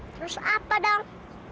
terus apa dong